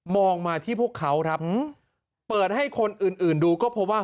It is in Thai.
มาที่พวกเขาครับเปิดให้คนอื่นอื่นดูก็พบว่า